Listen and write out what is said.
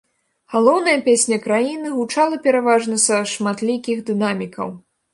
Галоўная песня краіны гучала пераважна са шматлікіх дынамікаў.